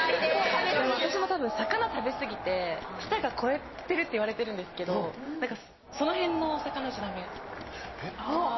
私もたぶん魚食べ過ぎて舌が肥えてるっていわれてるんですけど何かその辺のお魚じゃダメ。